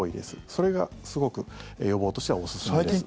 それがすごく予防としてはおすすめです。